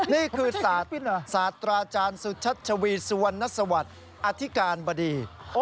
นี่คือศาสตราจารย์สุชชะวีสวรรณสวรรค์อธิการบดี